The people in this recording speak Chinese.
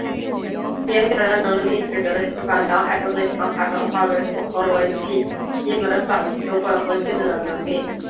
语言表达能力指的是把脑海中的想法转换为符合逻辑及文法的词汇和句子的能力。